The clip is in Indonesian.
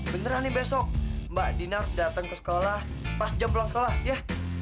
beneran nih besok mbak dinar datang ke sekolah pas jam pulang sekolah ya